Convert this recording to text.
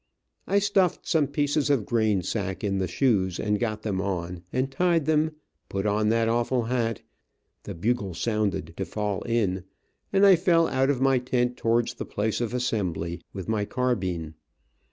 I stuffed some pieces of grain sack in the shoes, and got them on, and tied them, put on that awful hat, the bugle sounded to fall in, and I fell out of my tent towards the place of assembly, with my carbine.